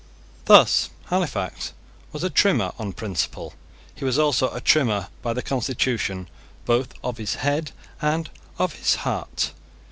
Thus Halifax was a Trimmer on principle. He was also a Trimmer by the constitution both of his head and of his heart.